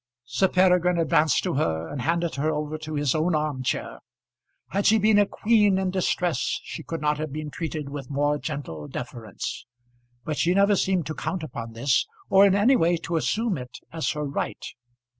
Sir Peregrine advanced to her and handed her over to his own arm chair. Had she been a queen in distress she could not have been treated with more gentle deference. But she never seemed to count upon this, or in any way to assume it as her right.